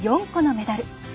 ４個のメダル。